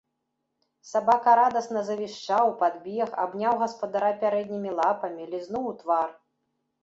Сабака радасна завішчаў, падбег, абняў гаспадара пярэднімі лапамі, лізнуў у твар.